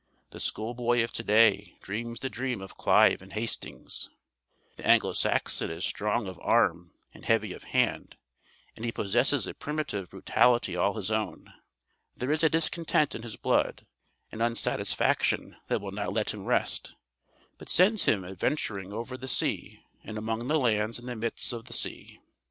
The schoolboy of to day dreams the dream of Clive and Hastings. The Anglo Saxon is strong of arm and heavy of hand, and he possesses a primitive brutality all his own. There is a discontent in his blood, an unsatisfaction that will not let him rest, but sends him adventuring over the sea and among the lands in the midst of the sea.